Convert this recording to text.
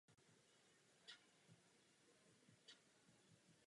Bylo to poprvé co se mistrovství světa ve florbale konalo mimo Evropu.